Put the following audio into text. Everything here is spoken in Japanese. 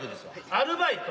アルバイト？